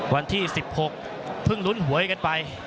วันที่๑๖เพิ่งลุ้นหวยกันไป